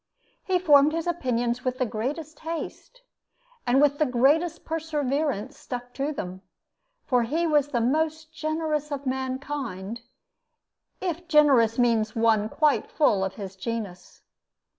He formed his opinions with the greatest haste, and with the greatest perseverance stuck to them; for he was the most generous of mankind, if generous means one quite full of his genus.